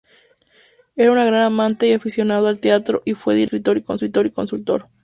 Era un gran amante y aficionado al teatro y fue director, escritor y consultor.